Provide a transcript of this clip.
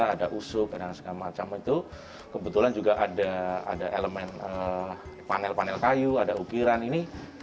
ada usuk dan segala macam itu kebetulan juga ada elemen panel panel kayu ada ukiran ini